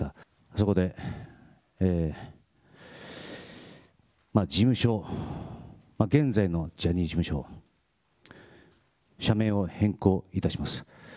そこで事務所、現在のジャニーズ事務所、社名を変更いたします。